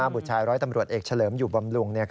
บุตรชายร้อยตำรวจเอกเฉลิมอยู่บำรุง